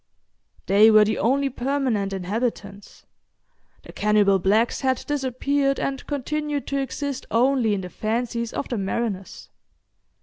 They were the only permanent inhabitants; the cannibal blacks had disappeared, and continued to exist only in the fancies of the mariners.